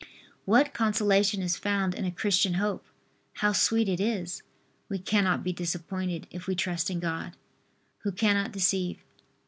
What consolation is found in a Christian hope! How sweet it is! We cannot be disappointed if we trust in God, Who cannot deceive.